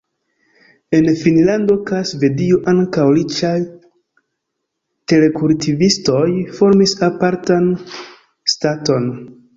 En Finnlando kaj Svedio ankaŭ riĉaj terkultivistoj formis apartan "Staton".